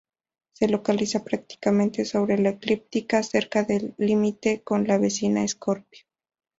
Se localiza prácticamente sobre la eclíptica, cerca del límite con la vecina Escorpio.